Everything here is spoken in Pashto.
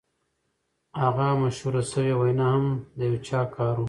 هغه مشهوره شوې وینا هم د یو چا کار و